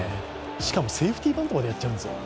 しかもセーフティーバントまでやっちゃうんですよ。